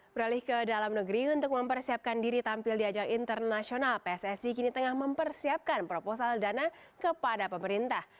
beralih ke dalam negeri untuk mempersiapkan diri tampil di ajang internasional pssi kini tengah mempersiapkan proposal dana kepada pemerintah